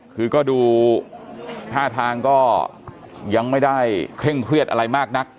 คือก็ดูท่าทางก็ยังไม่ได้เคร่งเครียดอะไรมากนัก